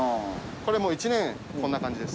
これもう１年こんな感じです。